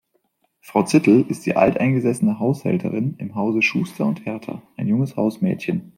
Frau Zittel ist die alteingesessene Haushälterin im Hause Schuster und Herta ein junges Hausmädchen.